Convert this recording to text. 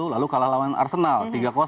lalu kalah lawan arsenal